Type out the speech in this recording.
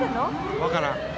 分からん。